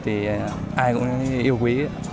thì ai cũng yêu quý